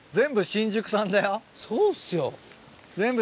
そうっすよ。